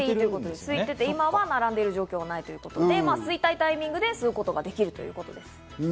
今は並んでいる状況はないと、吸いたいタイミングで吸うことができるということです。